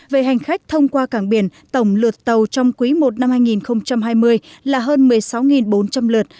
về hành khách thông qua cảng biển tổng lượt tàu trong quý i năm hai nghìn hai mươi là hơn một mươi sáu bốn trăm linh lượt